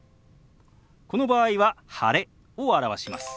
この場合は「晴れ」を表します。